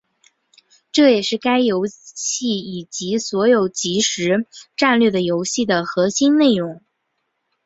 这也是该游戏以及所有即时战略游戏的核心内容。